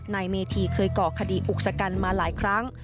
นายเมธีเคยก่อคดีอุกษกันมาหลายครั้ง